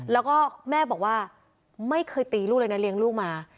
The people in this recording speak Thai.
แล้วก็แม่บอกว่าไม่เคยตีลูกเลยนะเลี้ยงลูกมา